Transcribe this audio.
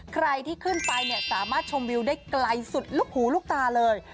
ใครที่ขึ้นไปเนี่ยสามารถชมวิวได้ไกลสุดลูกหูลูกตาเลย